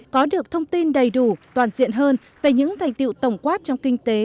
có được thông tin đầy đủ toàn diện hơn về những thành tiệu tổng quát trong kinh tế